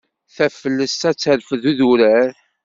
Taflest ad d-terfed idurar.